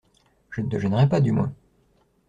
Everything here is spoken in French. Je ne te gênerai pas, du moins?